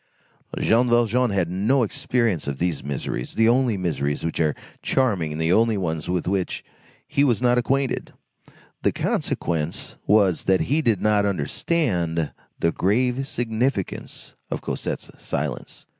Jean Valjean had no experience of these miseries, the only miseries which are charming and the only ones with which he was not acquainted; the consequence was that he did not understand the grave significance of Cosette's silence.